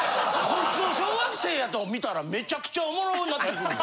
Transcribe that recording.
こいつを小学生やと見たらめちゃくちゃおもろなってくるで。